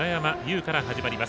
空から始まります。